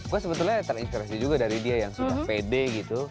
gue sebetulnya terinspirasi juga dari dia yang sudah pede gitu